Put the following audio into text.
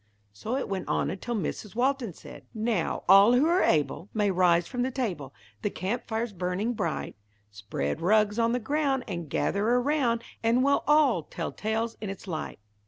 So it went on until Mrs. Walton said: "Now all who are able, may rise from the table. The camp fire's burning bright. Spread rugs on the ground, and gather around, And we'll all tell tales in its light."